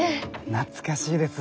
懐かしいです。